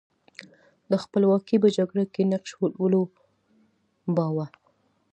د خپلواکۍ په جګړه کې نقش ولوباوه.